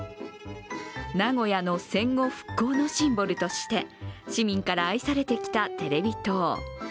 名古屋の戦後復興のシンボルとして市民から愛されてきたテレビ塔。